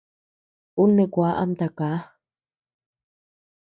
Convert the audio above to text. Ú neʼë kuaa ama takaa.